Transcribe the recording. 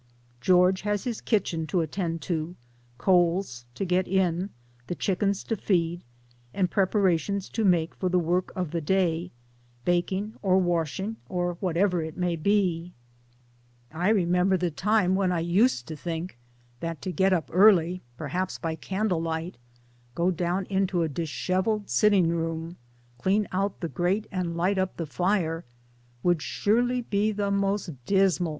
George has his kitchen to attend to, coals to get in, the chickens to feed, and preparations to make for the work of the day baking or washing p.r; whatever it may be. 308 MY DAYS AND DREAMS I remember the time when I used to think that to get up early, perhaps by candlelight, go down into a dishevelled sitting room, clean out the grate and light up the fire would surely be the moist dismal!